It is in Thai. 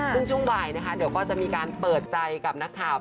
ซึ่งช่วงบ่ายนะคะเดี๋ยวก็จะมีการเปิดใจกับนักข่าว